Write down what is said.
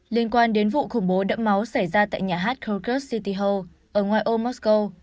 liên quan đến vụ khủng bố đẫm máu xảy ra tại nhà hát krogert city hall ở ngoài ô mosco